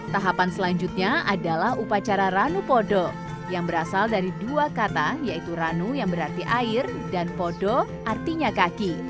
tahapan selanjutnya adalah upacara ranu podo yang berasal dari dua kata yaitu ranu yang berarti air dan podo artinya kaki